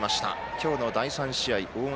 今日の第３試合大垣